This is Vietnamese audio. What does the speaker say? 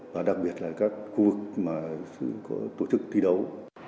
và đặc biệt là các khu vực mà có tổ chức thi đấu